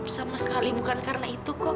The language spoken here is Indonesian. sama sekali bukan karena itu kok